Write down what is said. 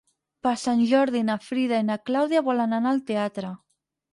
Per Sant Jordi na Frida i na Clàudia volen anar al teatre.